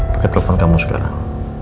pakai telepon kamu sekarang